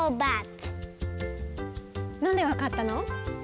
なんでわかったの？